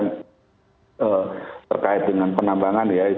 saya selalu percaya ambil soal ini